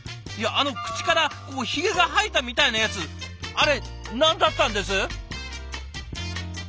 いやあの口からひげが生えたみたいなやつあれ何だったんです？